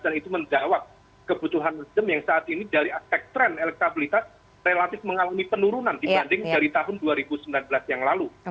dan itu menjawab kebutuhan nasdem yang saat ini dari aspek tren elektabilitas relatif mengalami penurunan dibanding dari tahun dua ribu sembilan belas yang lalu